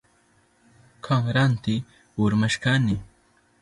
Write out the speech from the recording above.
Kanranti urmashkani.